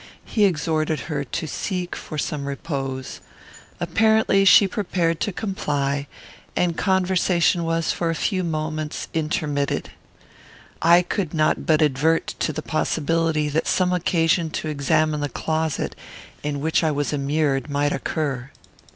He exhorted her to seek for some repose. Apparently she prepared to comply, and conversation was, for a few minutes, intermitted. I could not but advert to the possibility that some occasion to examine the closet, in which I was immured, might occur.